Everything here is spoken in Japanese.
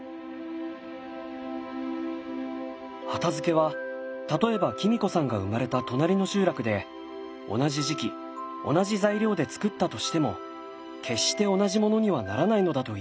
畑漬は例えばキミ子さんが生まれた隣の集落で同じ時期同じ材料でつくったとしても決して同じものにはならないのだといいます。